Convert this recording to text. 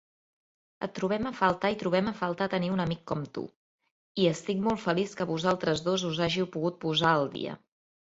Et trobem a faltar i trobem a faltar tenir un amic com tu. I estic molt feliç que vosaltres dos us hàgiu pogut posar al dia.